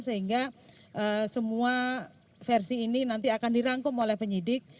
sehingga semua versi ini nanti akan dirangkum oleh penyidik